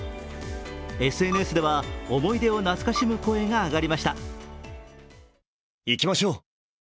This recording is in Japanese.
ＳＮＳでは思い出を懐かしむ声が上がりました。